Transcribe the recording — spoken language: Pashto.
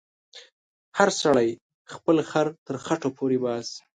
هر سړی خپل خر تر خټو پورې باسې.